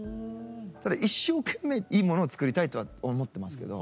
ただ一生懸命いいものを作りたいとは思ってますけど。